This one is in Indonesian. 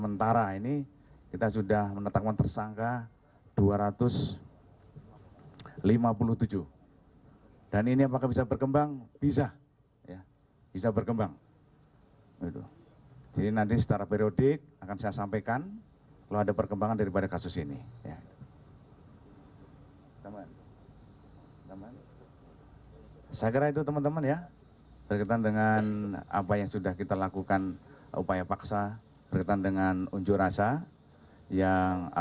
nah ini kita jelaskan masih dalam pendalaman ya